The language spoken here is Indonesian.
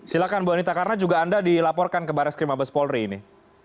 silahkan bu anita karena juga anda dilaporkan ke baris krim abes polri ini